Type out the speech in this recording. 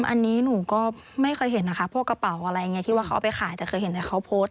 อันนี้หนูก็ไม่เคยเห็นนะคะพวกกระเป๋าอะไรอย่างนี้ที่ว่าเขาเอาไปขายแต่เคยเห็นแต่เขาโพสต์